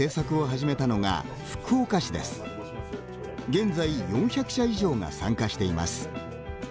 現在、４００社以上が参加しています。